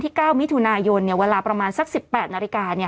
ที่เก้ามิธุนายนต์เนี้ยเวลาประมาณสักสิบแปดนาฬิกาเนี้ย